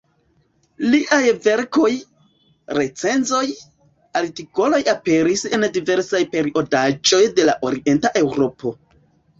Liaj verkoj, recenzoj, artikoloj aperis en diversaj periodaĵoj de la Orienta Eŭropo.